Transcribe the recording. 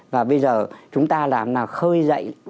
và bây giờ chúng ta làm là khơi dậy